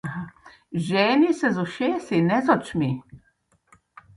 Ženi se z ušesi, ne z očmi!